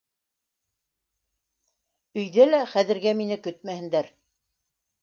Өйҙә лә хәҙергә мине көтмәһендәр.